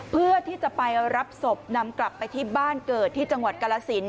เพื่อที่จะไปรับศพนำกลับไปที่บ้านเกิดที่จังหวัดกาลสิน